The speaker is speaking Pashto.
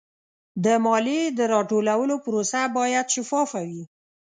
د مالیې د راټولولو پروسه باید شفافه وي.